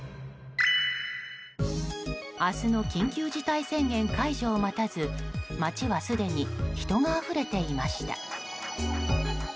明日の緊急事態宣言解除を待たず街はすでに人があふれていました。